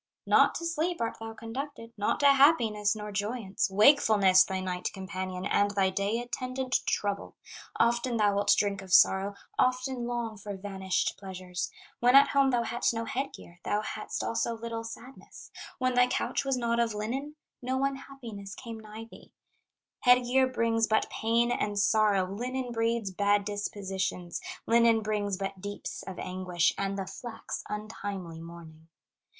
Not to sleep art thou conducted, Not to happiness, nor joyance, Wakefulness, thy night companion, And thy day attendant, trouble; Often thou wilt drink of sorrow, Often long for vanished pleasures. "When at home thou hadst no head gear, Thou hadst also little sadness; When thy couch was not of linen, No unhappiness came nigh thee; Head gear brings but pain and sorrow, Linen breeds bad dispositions, Linen brings but deeps of anguish, And the flax untimely mourning.